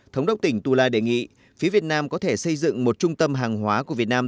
thống đốc tỉnh tulai đề nghị phía việt nam có thể xây dựng một trung tâm hàng hóa của việt nam